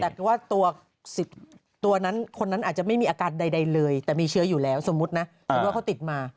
แต่ว่าตัวนั้นคนนั้นอาจจะไม่มีอาการใดเลยแต่มีเชื้ออยู่แล้วสมมุตินะสมมุติว่าเขาติดมา